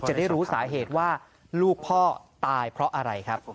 จะได้รู้สาเหตุว่าลูกพ่อตายเพราะอะไรครับ